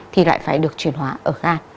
thì lại phải được chuyển hóa ở gan